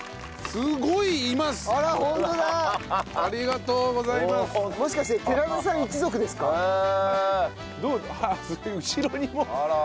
すごい後ろにも。